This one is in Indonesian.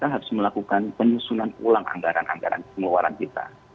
dan kalau kita bisa melakukan rekap kita harus melakukan penyusunan ulang anggaran anggaran pengeluaran kita